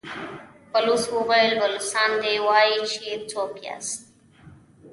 بلوڅ وويل: بلوڅان دي، وايي چې څوک ياست؟